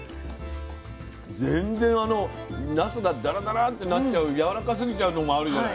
全然あのなすがダラダラってなっちゃうやわらかすぎちゃうのもあるじゃない。